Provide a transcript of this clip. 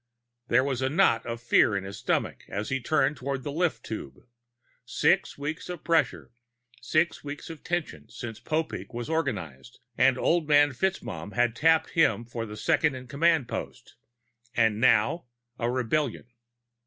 There was a knot of fear in his stomach as he turned toward the lift tube. Six weeks of pressure, six weeks of tension since Popeek was organized and old man FitzMaugham had tapped him for the second in command post ... and now, a rebellion.